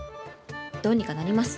どうにかなります。